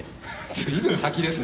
随分先ですね。